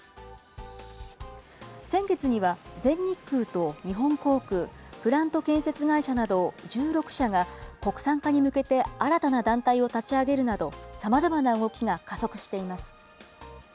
先月には、全日空と日本航空、プラント建設会社など１６社が、国産化に向けて新たな団体を立ち上げるなど、さまざまな動きが加速しています。